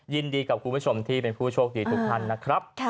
ยินดีกับคุณผู้ชมที่เป็นผู้โชคดีทุกท่านนะครับ